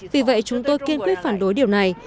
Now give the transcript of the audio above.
vì vậy chúng tôi kiên quyết phản đối điều này